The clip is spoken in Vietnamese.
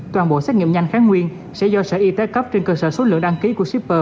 toàn bộ xét nghiệm nhanh kháng nguyên sẽ do sở y tế cấp trên cơ sở số lượng đăng ký của shipper